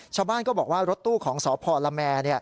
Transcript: ชาวบ้านก็บอกว่ารถตู้ของสพละแม